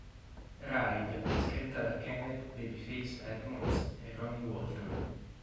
Reid, scritta da Kenneth "Babyface" Edmonds e Ronnie Walton.